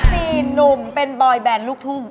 มีหนุ่มเป็นบอยแบนลูกทุ่ง